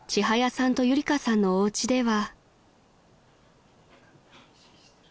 さんとゆりかさんのおうちでは］